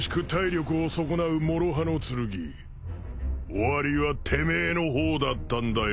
終わりはてめえの方だったんだよ。